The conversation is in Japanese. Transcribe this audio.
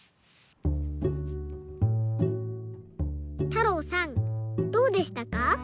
たろうさんどうでしたか？